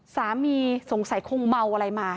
สามีสงสัยคงเมาอะไรมา